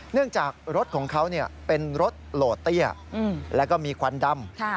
จากรถของเขาเป็นรถโหลดเตี้ยแล้วก็มีควันดำ